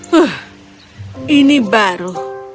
huh ini baru